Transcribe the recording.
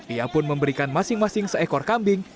ia pun memberikan masing masing seekor kambing